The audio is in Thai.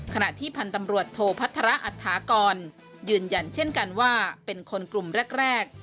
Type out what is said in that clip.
ขณะที่พันธ์ตำรวจโทพัฒระอัตถากรยืนยันเช่นกันว่าเป็นคนกลุ่มแรก